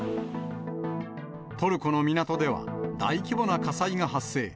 トルコの港では、大規模な火災が発生。